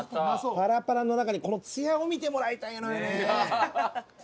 パラパラの中にこのツヤを見てもらいたいのよね。